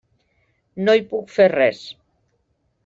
No hi puc fer res.